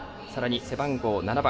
背番号７番